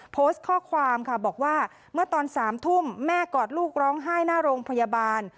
โพสต์ข้อความค่ะบอกว่าเมื่อตอน๓ทุ่มแม่กอดลูกร้องไห้หน้าโรงพยาบาล